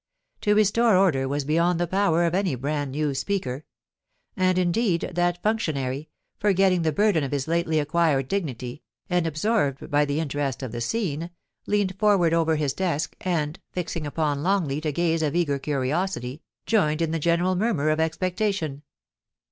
To restore order was beyond the power of any brand new Speaker ; and indeed that functionary, forgetting the burden of his lately acquired dignity, and absorbed by the interest of the scene, leaned forward over his desk, and, fixing upon Longleat a gaze of eager curiosity, joined in the general murmur of expectation.